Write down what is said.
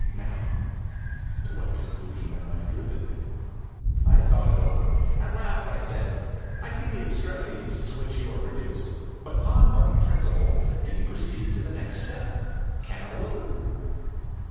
Now, to what conclusion am I driven ?" I thought it over. At last I said :" I see the extremities to which you are reduced. But upon what principle do you proceed to the next step cannibalism?"